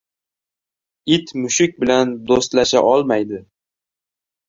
• It mushuk bilan do‘stlasholmaydi.